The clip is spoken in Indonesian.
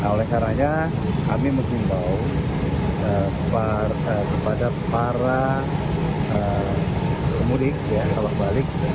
oleh karanya kami mencintau kepada para mudik ya kalau balik